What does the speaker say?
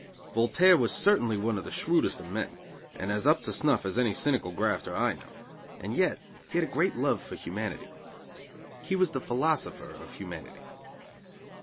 Voltaire was certainly one of the shrewdest of men, and as up to snuff as any cynical grafter I know, and yet he had a great love for humanity. He was the philosopher of humanity.